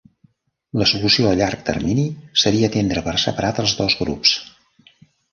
La solució a llarg termini seria atendre per separat els dos grups.